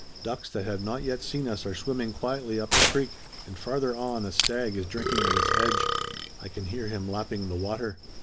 Ducks that have not yet seen us are swimming quietly up the creek, and farther on a stag is drinking at its edge. I can hear him lapping the water."